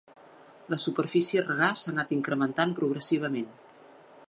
La superfície a regar s'ha anat incrementant progressivament.